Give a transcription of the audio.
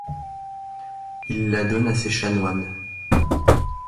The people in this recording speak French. Il la donne à ses chanoines.